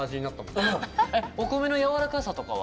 お米のやわらかさとかは？